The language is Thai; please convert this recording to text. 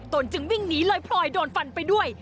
ตนจึงวิ่งหนีเลยพลอยโดนฟันไปด้วย